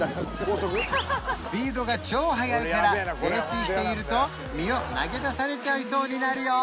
スピードが超速いから泥酔していると身を投げ出されちゃいそうになるよ